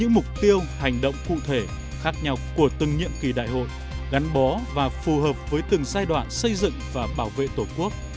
hành động cụ thể khác nhau của từng nhiệm kỳ đại hội gắn bó và phù hợp với từng giai đoạn xây dựng và bảo vệ tổ quốc